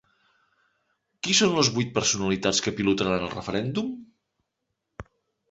Qui són les vuit personalitats que pilotaran el referèndum?